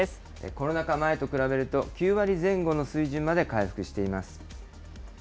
コロナ禍前と比べると９割前後の水準まで回復しています。